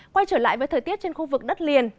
quay trở lại với thời tiết trên khu vực đất liền